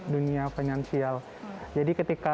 dunia finansial jadi ketika